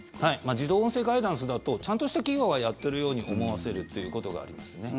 自動音声ガイダンスだとちゃんとした企業がやっているように思わせるということがありますね。